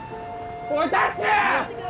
おい達哉！